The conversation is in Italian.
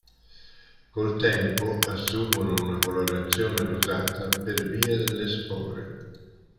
Col tempo assumono una colorazione rosata per via delle spore.